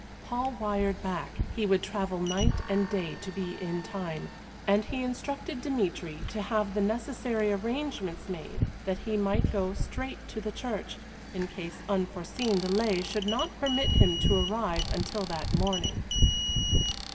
Paul wired back he would travel night and day to be in time, and he instructed Dmitry to have the necessary arrangements made that he might go straight to the church, in case unforeseen delay should not permit him to arrive until that morning.